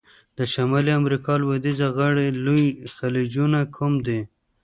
د شمالي امریکا د لویدیځه غاړي لوی خلیجونه کوم دي؟